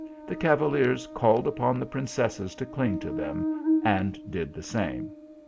The cavaliers called upon the princesses to cling to them, and did the same.